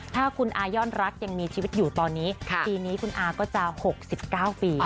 ถ้าคุณอายอดรักยังมีชีวิตอยู่ตอนนี้ปีนี้คุณอาก็จะ๖๙ปี